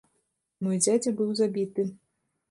Мой дзядзя быў забіты.